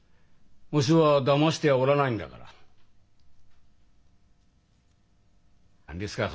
わしはだましてはおらないんだから。何ですか？